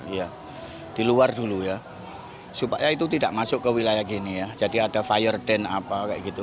iya di luar dulu ya supaya itu tidak masuk ke wilayah gini ya jadi ada fire dan apa kayak gitu